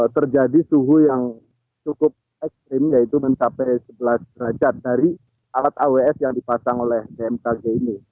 terjadi suhu yang cukup ekstrim yaitu mencapai sebelas derajat dari alat aws yang dipasang oleh bmkg ini